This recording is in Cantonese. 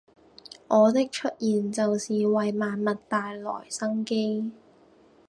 我的出現就是為萬物帶來生機